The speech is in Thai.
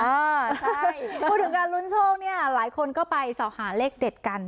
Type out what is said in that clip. พูดถึงการลุ้นโชคเนี่ยหลายคนก็ไปสอหาเลขเด็ดกัน